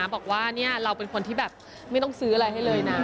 บอกว่าเราเป็นคนที่แบบไม่ต้องซื้ออะไรให้เลยนะ